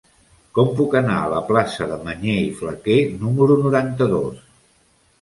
Com puc anar a la plaça de Mañé i Flaquer número noranta-dos?